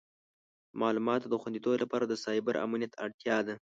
د معلوماتو د خوندیتوب لپاره د سایبر امنیت اړتیا ده.